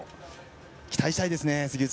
期待したいですね。